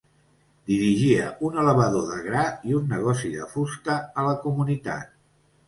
Dirigia un elevador de gra i un negoci de fusta a la comunitat.